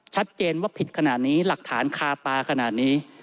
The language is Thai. ชัดเจนว่าผิดขนาดนี้หลักฐานคาตาขนาดนี้